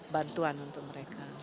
bantuan untuk mereka